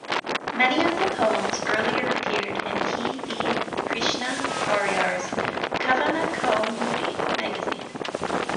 Many of these poems earlier appeared in P. V. Krishna Variar's "Kavanakaumudi" magazine.